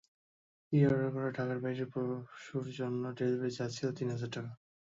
Pre-order করা ঢাকার বাইরের পশুর জন্য ডেলিভারি চার্জ ছিল তিন হাজার টাকা।